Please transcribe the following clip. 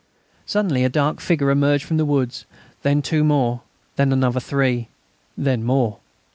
Suddenly a dark figure emerged from the wood, then two more, then another three, then more.